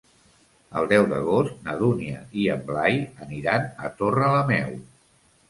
El deu d'agost na Dúnia i en Blai aniran a Torrelameu.